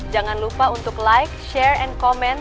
jangan lupa untuk like share and comment